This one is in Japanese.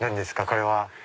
これは。